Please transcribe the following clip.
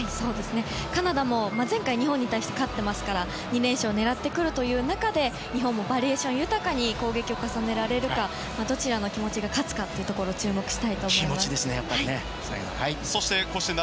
カナダも前回日本に対して勝ってますから２連勝を狙ってくる中で日本もバリエーション豊かに攻撃を重ねられるかどちらの気持ちが勝つかに注目したいです。